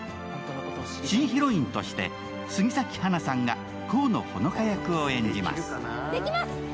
新ヒロインとして杉咲花さんが河野穂乃果役を演じます。